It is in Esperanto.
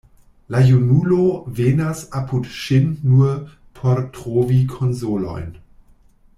La junulo venas apud ŝin nur por trovi konsolojn.